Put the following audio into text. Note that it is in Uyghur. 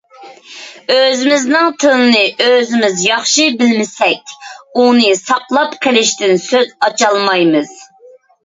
ئۆزىمىزنىڭ تىلىنى ئۆزىمىز ياخشى بىلمىسەك، ئۇنى ساقلاپ قېلىشتىن سۆز ئاچالمايمىز.